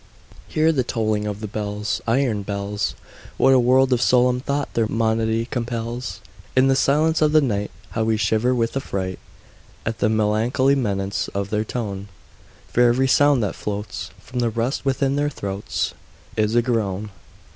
IV. Hear the tolling of the bells— Iron bells! What a world of solemn thought their monody compels! In the silence of the night, How we shiver with affright At the melancholy meaning of their tone! For every sound that floats From the rust within their throats Is a groan.